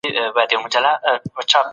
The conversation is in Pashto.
که ښکا ري هر څومره